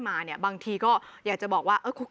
สุดยอดน้ำมันเครื่องจากญี่ปุ่น